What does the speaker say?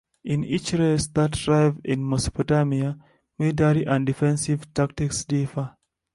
In each race that thrived in Mesopotamia, military and defensive tactics differ.